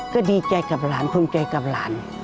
ก็ดีใจกับหลานภูมิใจกับหลาน